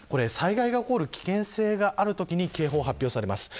災害が起こる危険性があるときに警報が発表されます。